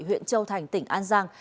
huyện châu thành tỉnh an giang